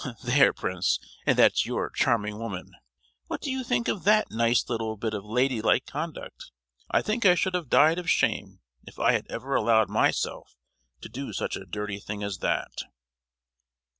"There, prince, and that's your 'charming woman!' What do you think of that nice little bit of lady like conduct? I think I should have died of shame if I had ever allowed myself to do such a dirty thing as that!"